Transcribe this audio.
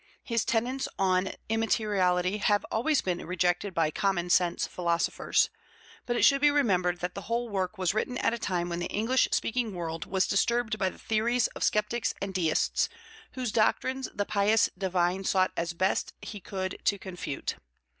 His tenets on immateriality have always been rejected by "common sense" philosophers; but it should be remembered that the whole work was written at a time when the English speaking world was disturbed by the theories of sceptics and deists, whose doctrines the pious divine sought as best he could to confute.